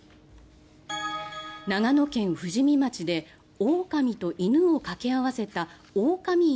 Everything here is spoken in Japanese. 長野県富士見町でオオカミと犬を掛け合わせた狼犬